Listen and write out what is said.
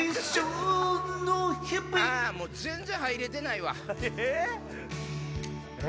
もう全然入れてないわ。え？